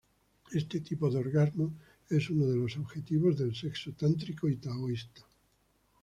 Este tipo de orgasmo es uno de los objetivos del sexo tántrico y taoísta.